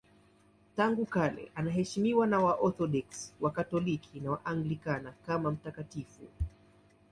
Tangu kale anaheshimiwa na Waorthodoksi, Wakatoliki na Waanglikana kama mtakatifu.